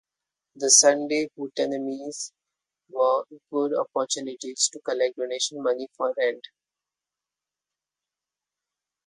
The Sunday hootenannies were good opportunities to collect donation money for rent.